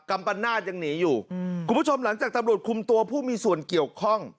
ปนาศยังหนีอยู่คุณผู้ชมหลังจากตำรวจคุมตัวผู้มีส่วนเกี่ยวข้อง